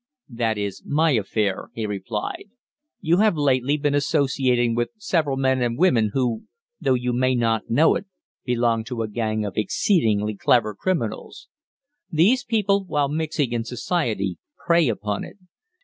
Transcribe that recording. "That is my affair," he replied. "You have lately been associating with several men and women who, though you may not know it, belong to a gang of exceedingly clever criminals. These people, while mixing in Society, prey upon it.